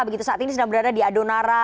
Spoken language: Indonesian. begitu saat ini sedang berada di adonara